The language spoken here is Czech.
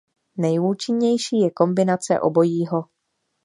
Nejúčinnější je kombinace obojího.